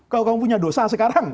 kalau kamu punya dosa sekarang